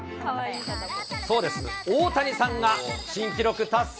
そうです、大谷さんが新記録達成。